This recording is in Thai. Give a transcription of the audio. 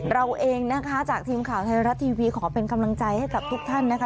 เราเองนะคะจากทีมข่าวไทยรัฐทีวีขอเป็นกำลังใจให้กับทุกท่านนะคะ